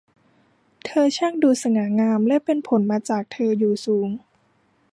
เธอช่างดูสง่างามและเป็นผลมาจากเธออยู่สูง